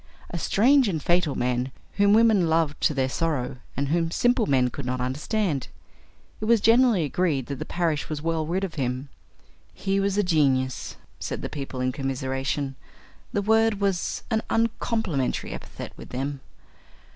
A strange and fatal man, whom women loved to their sorrow, and whom simple men could not understand! It was generally agreed that the parish was well rid of him. "He was a genius," said the people in commiseration. The word was an uncomplimentary epithet with them.